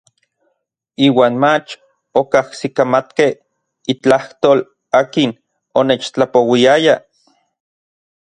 Iuan mach okajsikamatkej itlajtol akin onechtlapouiaya.